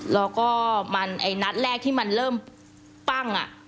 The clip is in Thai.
แล้วก็มันไอ้นัดแรกที่มันเริ่มปั้ง